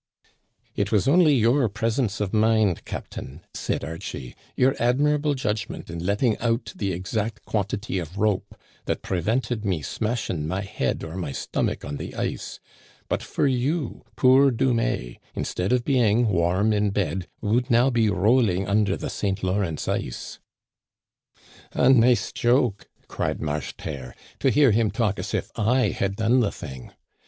" It was only your presence of mind, captain," said Archie, " your admirable judgment in letting out the ex act quantity of rope, that prevented me smashing my head or my stomach on the ice ; and but for you, poor Dumais, instead of being warm in bed would now be rolling under the St. Lawrence ice." A nice joke," cried Marcheterre; "to hear him talk as if I had done the thing